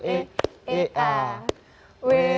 nah ini apa ya